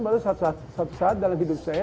bahwa suatu saat dalam hidup saya